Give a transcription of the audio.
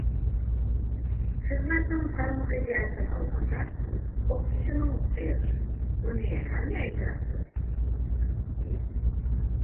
خىزمەتنىڭ سالمىقى جەھەتتىن ئالغاندا ئوقۇتقۇچىنىڭ ئېغىر، بۇنى ھەممە ئېتىراپ قىلىدۇ.